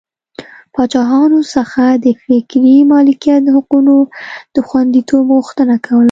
پاچاهانو څخه د فکري مالکیت حقونو د خوندیتوب غوښتنه کوله.